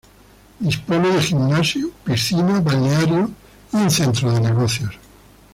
Dispone de gimnasio, piscina, balneario y un centro de negocios.